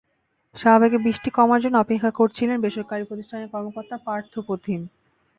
শাহবাগে বৃষ্টি কমার জন্য অপেক্ষা করছিলেন একটি বেসরকারি প্রতিষ্ঠানের কর্মকর্তা পার্থ প্রতিম।